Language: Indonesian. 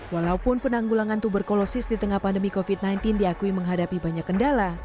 walaupun penanggulangan tuberkulosis di tengah pandemi covid sembilan belas diakui menghadapi banyak kendala